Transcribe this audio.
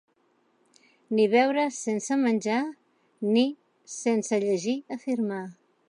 Ni beure sense menjar, ni, sense llegir, afirmar.